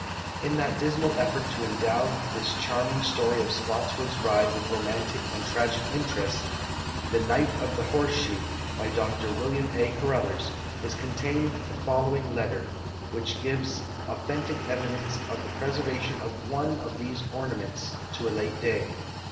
In that dismal effort to endow this charming story of Spottswood's ride with romantic and tragic interest, " The Knight of the Horse Shoe," by Dr Wm. A. Caruthers, is contained the following letter, which gives authentic evidence of the ])reservation of one of these ornaments to a late da}'.